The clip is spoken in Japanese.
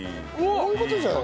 こういう事じゃない？